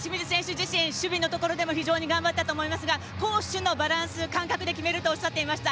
自身守備のところでも非常に頑張ったと思いますが攻守のバランス感覚で決めるとおっしゃっていました。